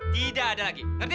tidak ada lagi ngerti